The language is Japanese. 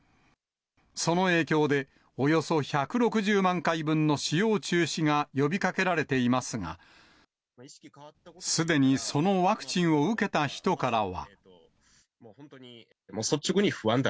その影響で、およそ１６０万回分の使用中止が呼びかけられていますが、すでにそのワクチンを受けた人からは。